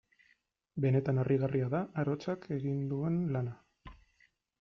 Benetan harrigarria da arotzak egin duen lana.